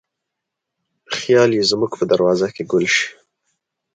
خیال یې زموږ په دروازه کې ګل شي